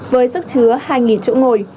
với sức chứa hai chỗ ngồi